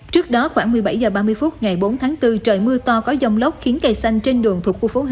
trước đó khoảng một mươi bảy h ba mươi phút ngày bốn tháng bốn trời mưa to có dông lốc khiến cây xanh trên đường thuộc khu phố hai